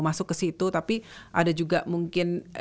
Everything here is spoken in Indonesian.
masuk ke situ tapi ada juga mungkin